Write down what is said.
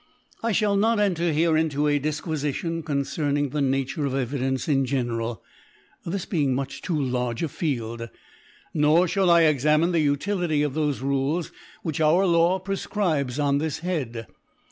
I ihall not enter here into a Difquifition concerning the Nature of Evidence in ge neral ; this being much too large a Field \ nor (hall I exannine the Utility of thofc Rules which our Law prefcribes on this Head.